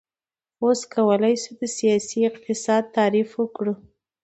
اوس کولی شو د سیاسي اقتصاد تعریف وکړو.